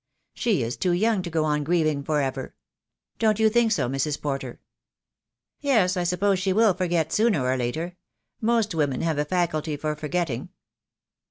She is too young to go on grieving for ever. Don't you think so, Mrs. Porter?" "Yes, I suppose she will forget sooner or later. Most women have a faculty for forgetting."